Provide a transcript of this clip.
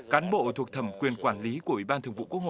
cán bộ thuộc thẩm quyền quản lý của ubnd